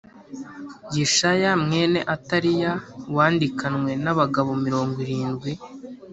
Yeshaya mwene Ataliya wandikanywe n’abagabo mirongo irindwi